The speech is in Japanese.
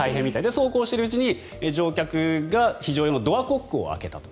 そうこうしているうちに乗客の人が非常用のドアコックを開けたと。